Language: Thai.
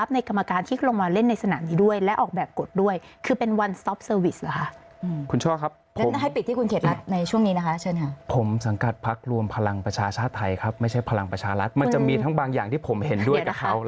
ผมเห็นด้วยกับเขาและบางอย่างที่ไม่เห็นด้วย